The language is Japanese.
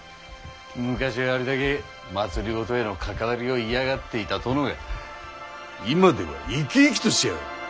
昔はあれだけ政への関わりを嫌がっていた殿が今では生き生きとしてやがる！